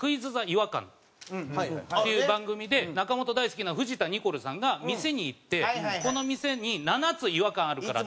ＴＨＥ違和感』っていう番組で中本大好きな藤田ニコルさんが店に行ってこの店に７つ違和感あるから。